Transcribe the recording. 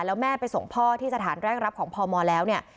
แล้วแม่ไปส่งพ่อที่สถานแรกรับของพมแล้วเนี่ย